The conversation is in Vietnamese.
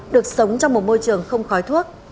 được sống trong một môi trường không khói thuốc